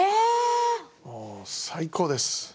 最高です。